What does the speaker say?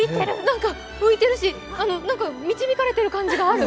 浮いてる、何か導かれている感じがある。